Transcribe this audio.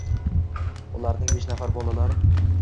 Ularning besh nafari — bolalar